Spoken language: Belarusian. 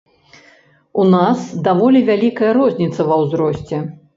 У нас даволі вялікая розніца ва ўзросце.